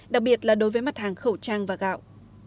đặc biệt là đối với mặt hàng khẩu trang và gạo